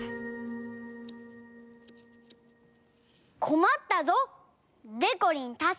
こまったぞ！でこりんたすけて！